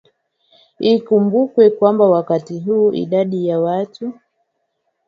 Ikumbukwe kwamba wakati huo idadi ya watu